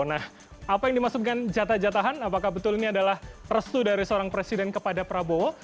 nah apa yang dimaksudkan jatah jatahan apakah betul ini adalah restu dari seorang presiden kepada prabowo